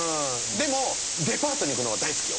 でもデパートに行くのは大好きよ。